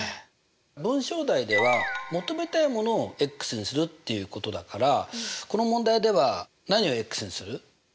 文章題では求めたいものをにするっていうことだからこの問題では何をにする？